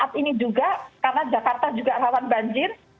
karena ini juga karena jakarta juga rawan banjir